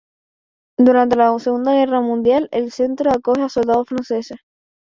Durante la Segunda Guerra Mundial el centro acoge a soldados franceses.